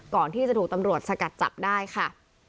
ก่อนที่จะถูกตำรวจสกัดจับได้ค่ะ